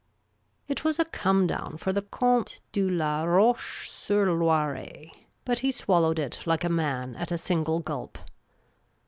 It was a come down for the Comte de Laroche sur Loiret, but he swallowed it like a man at a single gulp.